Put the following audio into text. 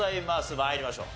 参りましょう。